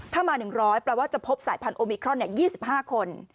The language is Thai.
ถ้ามา๑๐๐คือจะพบสายพันธุ์โอมิครอน๒๕คน